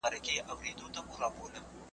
بې گناه مي په ناحقه تور نيولي